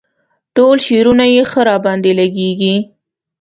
ټول شعرونه یې ښه راباندې لګيږي.